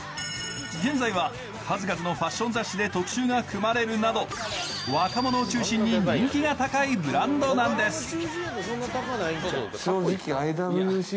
現在は数々のファッション雑誌で特集が組まれるなど若者を中心に人気が高いブランドなんです。